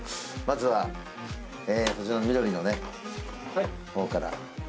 まずはこちらの緑のほうから。